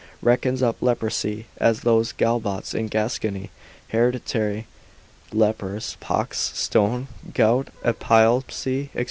5, reckons up leprosy, as those Galbots in Gascony, hereditary lepers, pox, stone, gout, epilepsy, &c.